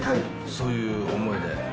そういう思いで。